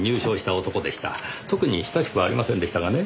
特に親しくはありませんでしたがね。